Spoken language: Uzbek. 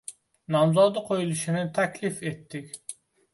Nomzodi qo‘yilishini taklif etdik.